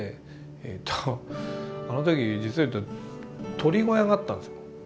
えとあの時実を言うと鶏小屋があったんです。